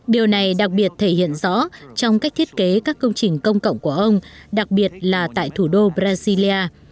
điều này đặc biệt thể hiện rõ trong cách thiết kế các công trình công cộng của ông đặc biệt là tại thủ đô brasilia